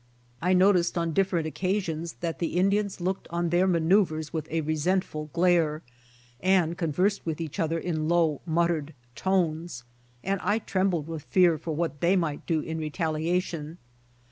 I noticed on different occa sions that the Indians looked on their manoeuvers with a resentful glare, and conversed with each lother in low muttered tones, and I trembled with fear for what they might do in retaliation.